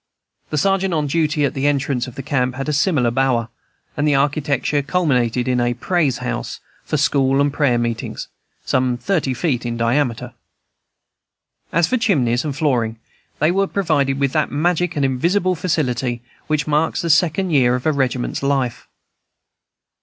The sergeant on duty at the entrance of the camp had a similar bower, and the architecture culminated in a "Praise House" for school and prayer meetings, some thirty feet in diameter. As for chimneys and flooring, they were provided with that magic and invisible facility which marks the second year of a regiment's life.